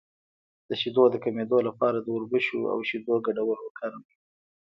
د شیدو د کمیدو لپاره د وربشو او شیدو ګډول وکاروئ